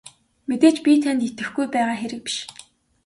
Мэдээж би танд итгэхгүй байгаа хэрэг биш.